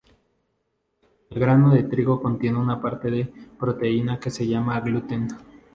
El grano de trigo contiene una parte de la proteína que se llama gluten.